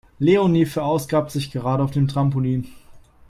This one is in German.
Leonie verausgabt sich gerade auf dem Trampolin.